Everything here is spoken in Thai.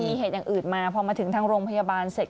มีเหตุอย่างอื่นมาพอมาถึงทางโรงพยาบาลเสร็จ